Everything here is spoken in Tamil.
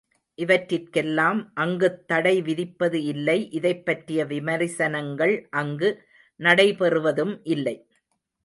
இவற்றிற்கெல்லாம் அங்குத் தடை விதிப்பது இல்லை இதைப் பற்றிய விமரிசனங்கள் அங்கு நடைபெறுவதும் இல்லை.